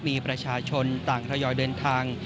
มีประชาชนต่างทยอยเดินทาง